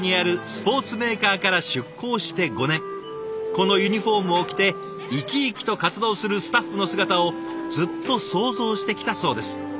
このユニフォームを着て生き生きと活動するスタッフの姿をずっと想像してきたそうです。